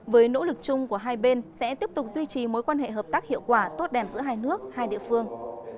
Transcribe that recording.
với nỗ lực chung của hai bên sẽ tiếp tục duy trì mối quan hệ hợp tác hiệu quả tốt đẹp giữa hai nước hai địa phương